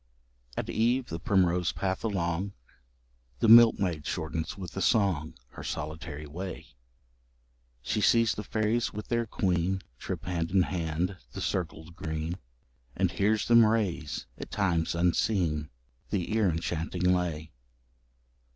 At eve, the primrose path along, The milkmaid shortens with a song Her solitary way; She sees the fairies with their queen Trip hand in hand the circled green, And hears them raise, at times unseen, The ear enchanting lay.